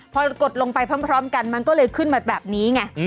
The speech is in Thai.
พอกดลงไปพร้อมกันมันก็เลยขึ้นมาแบบนี้ไง